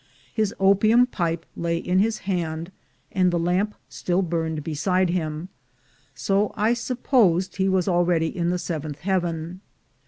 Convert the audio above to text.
His opium pipe lay in his hand, and the lamp still burned beside him, so I supposed he was already in the seventh heaven.